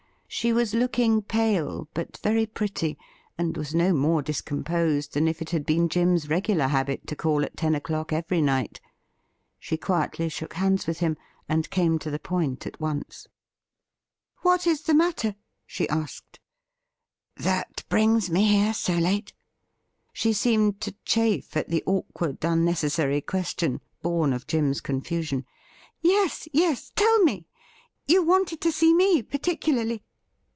She was looking pale, but very pretty, and was no more discomposed than if it had been Jim's riegular habit to call at ten o'clock every night. She quietly' shook hands with him, and came to the point at once. '''' •WHAT IS TO BE DONE FIRST?' £75 ' What is the matter ?' she asked. ' That brings me here so late ?' She seemed to chafe at the awkward, unnecessary ques tion, born of Jim's confusion, ' Yes, yes, tell me. You wanted to see me particularly